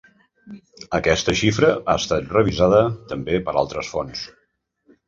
Aquesta xifra ha estat revisada també per altres fonts.